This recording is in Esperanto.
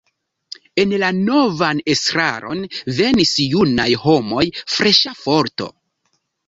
En la novan estraron venis junaj homoj, freŝa forto.